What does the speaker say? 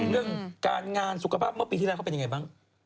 เรื่องการงานสุขภาพเมื่อปีที่แล้วเขาเป็นยังไงบ้าง